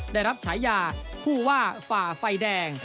ได้รับฉายาผู้ว่าฝ่าไฟแดง